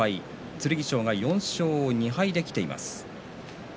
剣翔が４勝２敗できています。